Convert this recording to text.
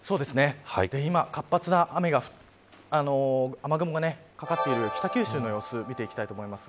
今、活発な雨雲がかかっている北九州の様子を見ていきます。